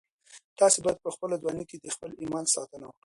تاسي باید په خپله ځواني کي د خپل ایمان ساتنه وکړئ.